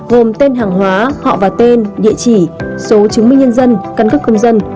gồm tên hàng hóa họ và tên địa chỉ số chứng minh nhân dân căn cấp công dân